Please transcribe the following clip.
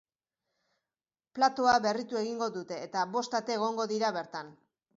Platoa berritu egingo dute, eta bost ate egongo dira bertan.